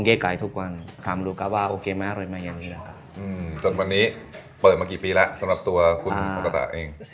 เอาตัวนี้เปิดมากี่ปีแล้วสำหรับตัวคุณตัวมกตัะเอง